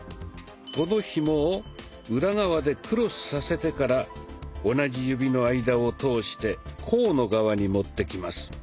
このひもを裏側でクロスさせてから同じ指の間を通して甲の側に持ってきます。